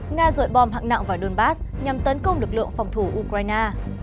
nga dội bom hạng nặng vào donbass nhằm tấn công lực lượng phòng thủ ukraine